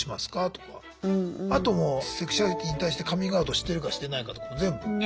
あともうセクシュアリティーに対してカミングアウトしてるかしてないかとかも全部。